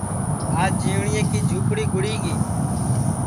آج جیوٹؔیے کی جُھوپڑی گُڑی گی